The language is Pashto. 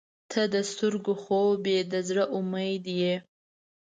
• ته د سترګو خوب یې، د زړه امید یې.